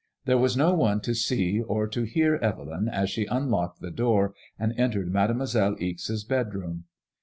There was no one to see or to hear Evelyn as she unlocked the door and entered Mademoiselle Ixe's bedroom.